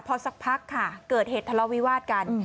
พอสักพักค่ะเกิดเหตุทะเลาวิวาสกัน